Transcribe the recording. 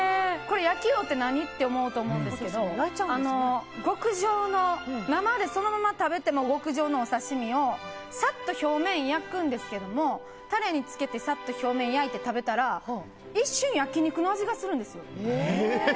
焼きうおって何って思うと思うんですけど生でそのまま食べても極上のお刺し身をサッと表面を焼くんですけどもタレにつけてサッと表面焼いて食べたら一瞬焼き肉の味するんですよ。